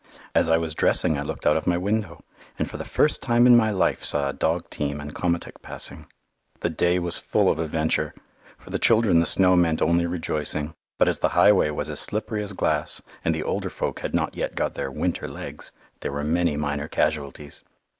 As I was dressing I looked out of my window, and for the first time in my life saw a dog team and komatik passing. The day was full of adventure. For the children the snow meant only rejoicing; but as the highway was as slippery as glass, and the older folk had not yet got their "winter legs," there were many minor casualties.